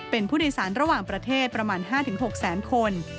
เป็นผู้โดยสารระหว่างประเทศประมาณ๕๖แสนคน